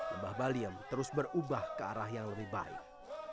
lembah baliem terus berubah ke arah yang lebih baik